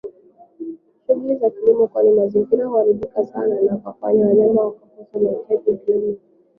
shughuli za kilimo kwani mazingira huaribika sana nakufanya wanyama hawa kukosa mahitaji muhimu ikiwemo